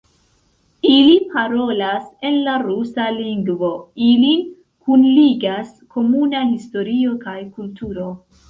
Ili parolas en la rusa lingvo, ilin kunligas komuna historio kaj kulturo.